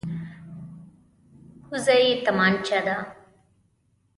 کوزه یې تمانچه ده.